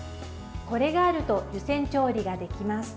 これがあると湯煎調理ができます。